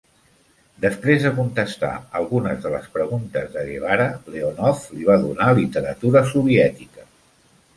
Després de contestar algunes de les preguntes de Guevara, Leonov li va donar literatura soviètica.